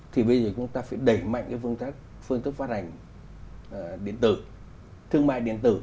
thì bây giờ chúng ta phải đẩy mạnh cái phương thức phát hành điện tử thương mại điện tử